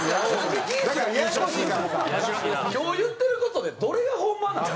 今日言ってる事でどれがホンマなん？